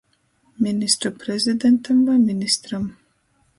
Ministru prezidentam voi ministram